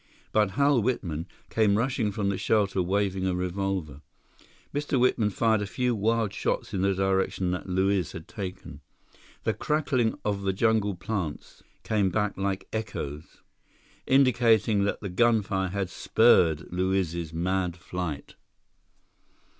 But Hal Whitman came rushing from the shelter waving a revolver. Mr. Whitman fired a few wild shots in the direction that Luiz had taken. The crackling of jungle plants came back like echoes, indicating that the gunfire had spurred Luiz's mad flight.